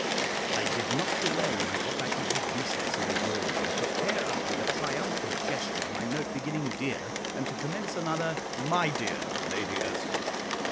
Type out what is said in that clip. I did not delay, when I got back to my recess in the drawing room, to tear up with a triumphant gesture my note beginning "Dear," and to commence another, "My dear Lady Ursula."